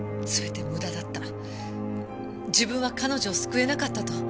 自分は彼女を救えなかったと。